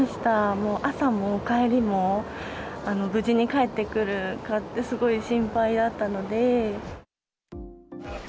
もう朝も帰りも、無事に帰ってくるかって、すごい心配だったので。